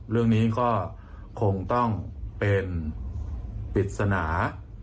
เรื่องนี้ก็คงต้องเป็นปริศนา